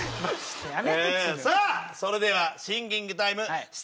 さあそれではシンキングタイムスタート！